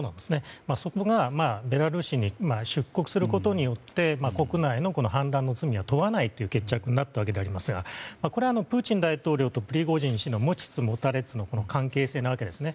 そこが、ベラルーシに出国することによって国内の反乱の罪は問わないという決着になったわけですがこれは、プーチン大統領とプリゴジン氏の持ちつ持たれつの関係性なわけですね。